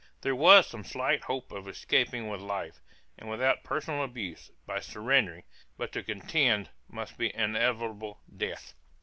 There was some slight hope of escaping with life, and without personal abuse, by surrendering, but to contend must be inevitable death.